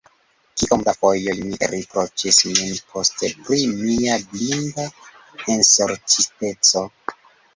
Kiom da fojoj mi riproĉis min poste pri mia blinda ensorĉiteco!